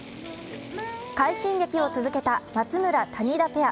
快進撃を続けた松村・谷田ペア。